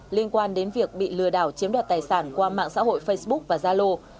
liên quan đến việc bị lừa đảo chiếm đoạt tài sản qua mạng xã hội facebook và zalo